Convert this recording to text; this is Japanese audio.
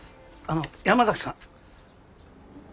あの山崎さん。